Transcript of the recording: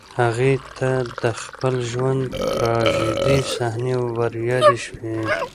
هغې ته د خپل ژوند تراژيدي صحنې وريادې شوې